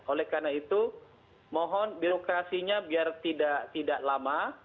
oleh karena itu mohon birokrasinya biar tidak lama